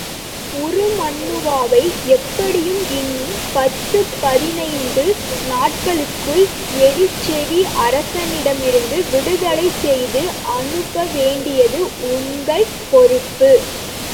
உருமண்ணுவாவை எப்படியும் இன்னும் பத்துப் பதினைந்து நாள்களுக்குள் எலிச்செவி அரசனிடமிருந்து விடுதலை செய்து அனுப்ப வேண்டியது உங்கள் பொறுப்பு.